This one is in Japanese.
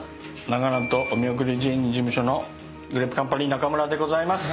永野とお見送り芸人事務所のグレープカンパニー中村でございます。